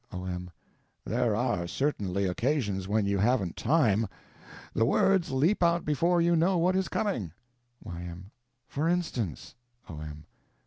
O.M. There are certainly occasions when you haven't time. The words leap out before you know what is coming. Y.M. For instance? O.M.